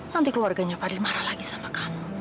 nanti keluarganya pada marah lagi sama kamu